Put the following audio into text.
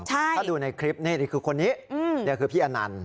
ถ้าดูในคลิปนี่คือคนนี้นี่คือพี่อนันต์